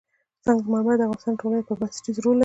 سنگ مرمر د افغانستان د ټولنې لپاره بنسټيز رول لري.